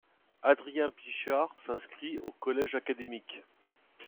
Adrien Pichard s'inscrit au Collège académique.